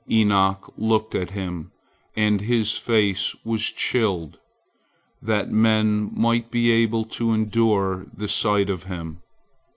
Enoch looked at him, and his face was chilled, that men might be able to endure the sight of him.